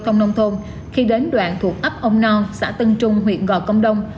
giao thông nông thôn khi đến đoạn thuộc ấp ông non xã tân trung huyện gò công đông